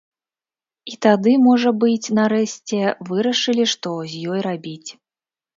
І тады, можа быць, нарэшце вырашылі, што з ёй рабіць.